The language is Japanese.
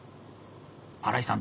荒井さん